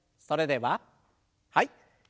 それでははい。